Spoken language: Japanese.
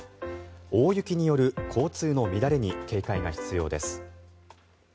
大雪による交通の乱れに警戒が必要です。